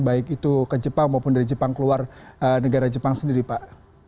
baik itu ke jepang maupun dari jepang keluar negara jepang sendiri pak